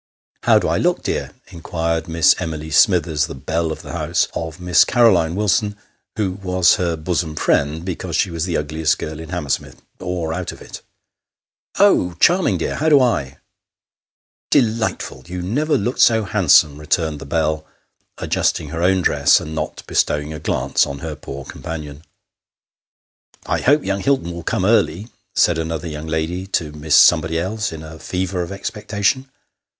" How do I look, dear ?" inquired Miss Emily Smithers, the belle of the house, of Miss Caroline Wilson, who was her bosom friend, because she was the ugliest girl in Hammersmith, or out of it. " Oh ! charming, dear. How do I ?"" Delightful ! you never looked so handsome," returned the belle, adjusting her own dress, and not bestowing a glance on her poor companion. " I hope young Hilton will come early," said another young lady to Miss somebody else, in a fever of expectation.